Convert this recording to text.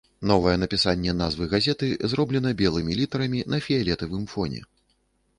Новае напісанне назвы газеты зроблена белымі літарамі на фіялетавым фоне.